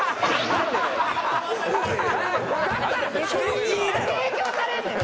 なんで影響されんねん。